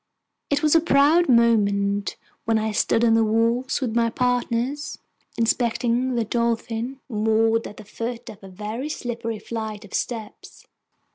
It was a proud moment when I stood on the wharf with my partners, inspecting the Dolphin, moored at the foot of a very slippery flight of steps.